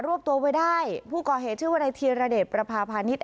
วบตัวไว้ได้ผู้ก่อเหตุชื่อวนายธีรเดชประพาพาณิชย